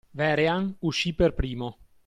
Vehrehan uscí per primo.